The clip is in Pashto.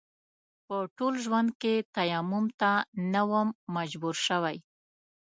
په ټول ژوند کې تيمم ته نه وم مجبور شوی.